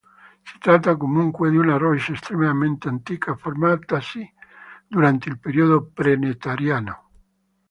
Si tratta comunque di una roccia estremamente antica, formatasi durante il periodo Pre-Nettariano.